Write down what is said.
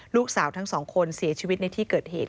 ลูกสาวทั้งสองคนเสียชีวิตในที่เกิดเหตุ